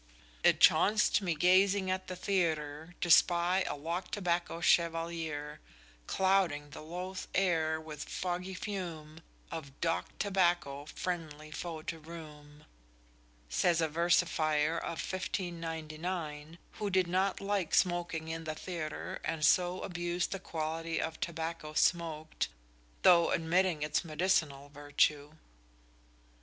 _It chaunc'd me gazing at the Theater, To spie a Lock Tabacco Chevalier Clowding the loathing ayr with foggie fume Of Dock Tobacco friendly foe to rhume_ says a versifier of 1599, who did not like smoking in the theatre and so abused the quality of the tobacco smoked though admitting its medicinal virtue.